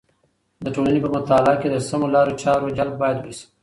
د ټولنې په مطالعه کې د سمو لارو چارو جلب باید وسي.